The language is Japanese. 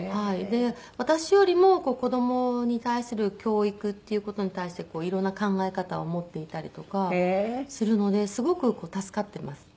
私よりも子どもに対する教育っていう事に対していろんな考え方を持っていたりとかするのですごく助かってます。